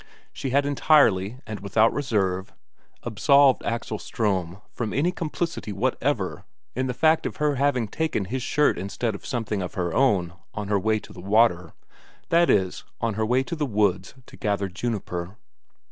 She had entirely and without reserve absolved Axel Ström from any complicity whatever in the fact of her having taken his shirt instead of something of her own on her way to the water that is, on her way to the woods to gather juniper.